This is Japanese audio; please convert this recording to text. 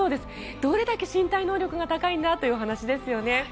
どれだけ身体能力が高いんだと話ですよね。